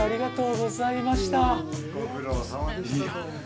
ご苦労様でした。